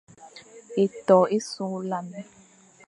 Étô é sughlana.